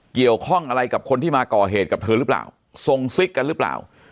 เกี่ยวข้องอะไรกับคนที่มาก่อเหตุกับเธอหรือเปล่าทรงซิกกันหรือเปล่า